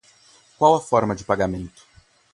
Qual a forma de pagamento.